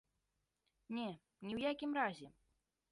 Не, ні ў якім разе!